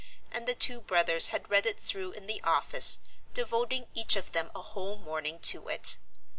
and the two brothers had read it through in the office, devoting each of them a whole morning to it.